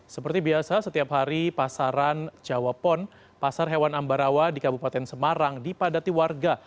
seperti biasa setiap hari pasaran jawa pon pasar hewan ambarawa di kabupaten semarang dipadati warga